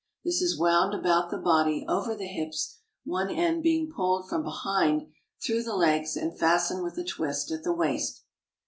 This is wound about the body over the hips, one end being pulled from behind through the legs and fastened with a twist at the waist.